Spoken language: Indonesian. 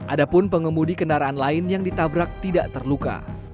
ada pun pengemudi kendaraan lain yang ditabrak tidak terluka